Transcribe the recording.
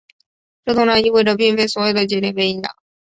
这通常意味着并非所有的节点被影响。